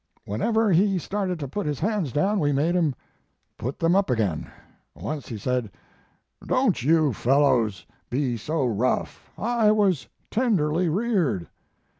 "Whenever he started to put his hands down we made him put them up again. Once he said: "'Don't you fellows be so rough. I was tenderly reared.'